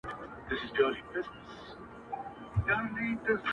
دا راته مه وايه چي تا نه منم دى نه منم ـ